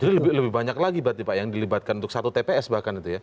jadi itu lebih banyak lagi yang dilibatkan untuk satu tps bahkan itu ya